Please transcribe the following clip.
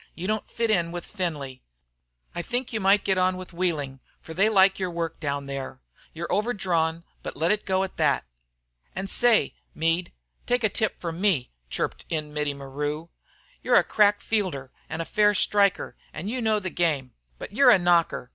You don't fit in with Findlay. I think you might get on with Wheeling, for they like your work down there. You've overdrawn, but let it go et thet." "An' say, Meade, take a tip from me," chirped in Mittie Maru. "You're a crack fielder an' a fair sticker, an' you know the game. But you're a knocker.